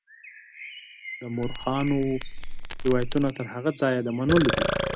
د مورخانو روایتونه تر هغه ځایه د منلو دي.